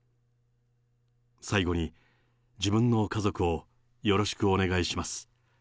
最後に、自分の家族をよろしくお願いします。